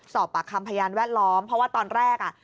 สอบปากคำพยานแวดล้อมเพราะว่าตอนแรกอ่ะ